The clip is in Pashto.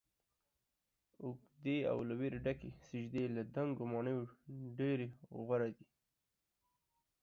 اوږدې او له ويرې ډکې سجدې له دنګو ماڼیو ډيرې غوره دي